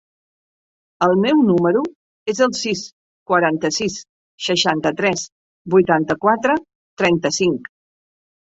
El meu número es el sis, quaranta-sis, seixanta-tres, vuitanta-quatre, trenta-cinc.